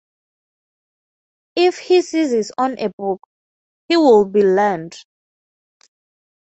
If he seizes on a book, he will be learned.